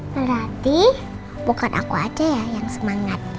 berarti bukan aku aja ya yang semangat